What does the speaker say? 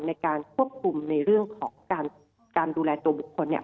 ในการควบคุมในเรื่องของการดูแลตัวบุคคลเนี่ย